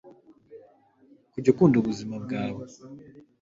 kujya ukunda ubuzima bwawe.